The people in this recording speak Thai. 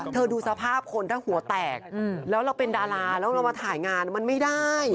ดูสภาพคนถ้าหัวแตกแล้วเราเป็นดาราแล้วเรามาถ่ายงานมันไม่ได้